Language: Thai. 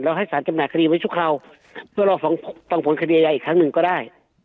แล้วให้สารจำหน่ายคดีไว้ทุกครั้งเพื่อรอจำหน่ายคดีอาญาอีกครั้งหนึ่งก็ได้